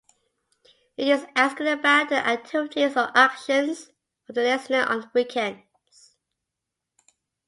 It is asking about the activities or actions of the listener on weekends.